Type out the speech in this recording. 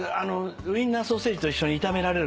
ウインナーソーセージと一緒に炒められる感じ。